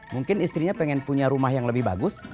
mungkin istrinya pengen punya rumah yang lebih bagus